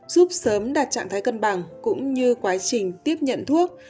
giúp sớm đạt trạng thái cân bằng cũng như quá trình tiếp nhận thuốc